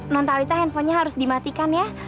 nontalita handphonenya harus dimatikan ya